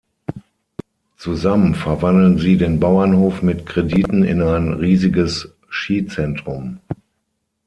Zusammen verwandeln sie den Bauernhof mit Krediten in ein riesiges Skizentrum.